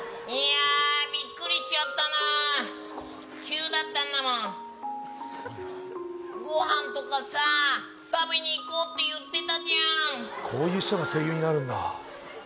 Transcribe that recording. いやビックリしちゃったなすごい急だったんだもんすごいなご飯とかさ食べに行こうって言ってたじゃんこういう人が声優になるんだ